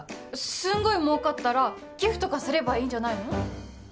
すんごい儲かったら寄付とかすればいいんじゃないの？